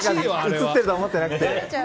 映ってると思ってなくて。